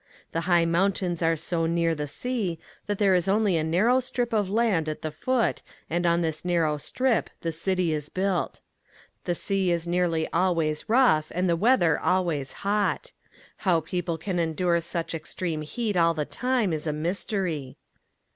The high mountains are so near the sea that there is only a narrow strip of land at the foot and on this narrow strip the city is built. The sea is nearly always rough and the weather always hot. How people can endure such extreme heat all the time is a mystery.